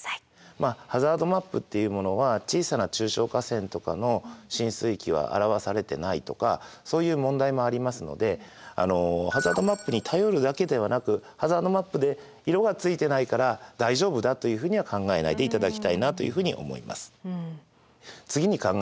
まあハザードマップというものは小さな中小河川とかの浸水域は表されてないとかそういう問題もありますのであのハザードマップに頼るだけではなくハザードマップで色がついてないから大丈夫だというふうには考えないでいただきたいなというふうに思います。